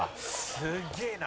「すげえな。